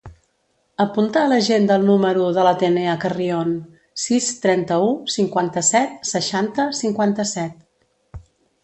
Apunta a l'agenda el número de l'Atenea Carrion: sis, trenta-u, cinquanta-set, seixanta, cinquanta-set.